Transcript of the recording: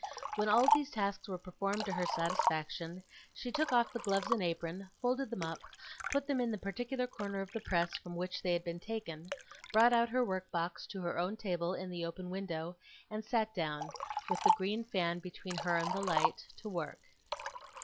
When all these tasks were performed to her satisfaction, she took off the gloves and apron, folded them up, put them in the particular corner of the press from which they had been taken, brought out her work box to her own table in the open window, and sat down, with the green fan between her and the light, to work.